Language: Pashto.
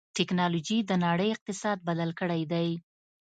ټکنالوجي د نړۍ اقتصاد بدل کړی دی.